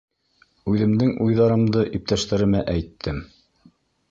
Үҙемдең уйҙарымды иптәштәремә әйттем.